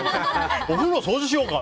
お風呂掃除しようか！